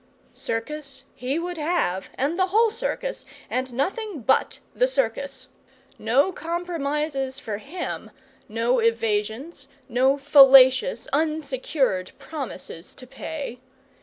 Circus he would have, and the whole circus, and nothing but the circus. No compromise for him, no evasions, no fallacious, unsecured promises to pay.